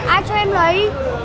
ai cho em lấy